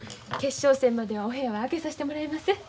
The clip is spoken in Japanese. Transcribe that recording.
決勝戦まではお部屋は空けさしてもらいます。